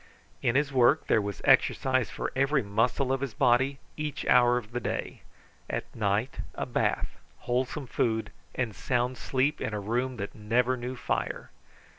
In his work there was exercise for every muscle of his body each hour of the day, at night a bath, wholesome food, and sound sleep in a room that never knew fire.